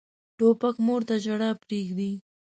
توپک مور ته ژړا پرېږدي.